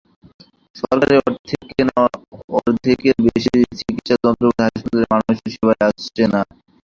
সরকারি অর্থে কেনা অর্ধেকের বেশি চিকিৎসা যন্ত্রপাতি হাসপাতালে মানুষের সেবায় আসে না।